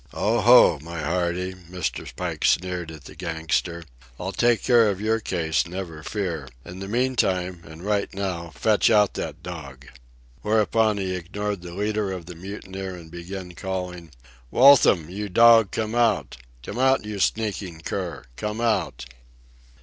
"Oh, ho, my hearty," Mr. Pike sneered at the gangster. "I'll take care of your case, never fear. In the meantime, and right now, fetch out that dog." Whereupon he ignored the leader of the mutineers and began calling, "Waltham, you dog, come out! Come out, you sneaking cur! Come out!"